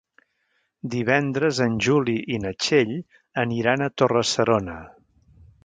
Divendres en Juli i na Txell aniran a Torre-serona.